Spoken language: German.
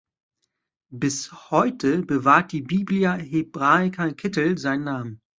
Bis heute bewahrt die "Biblia Hebraica Kittel" seinen Namen.